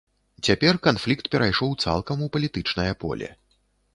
Цяпер канфлікт перайшоў цалкам у палітычнае поле.